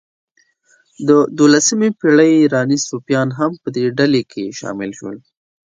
د دوولسمې پېړۍ ایراني صوفیان هم په همدې ډلې کې شامل شول.